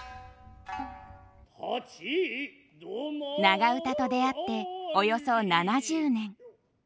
長唄と出会っておよそ７０年。